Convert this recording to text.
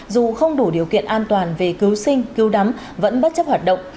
dù không đủ điều kiện an toàn về cứu sinh cứu đắm vẫn bất chấp hoạt động